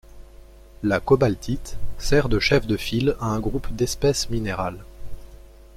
La cobaltite sert de chef de file à un groupe d'espèces minérales.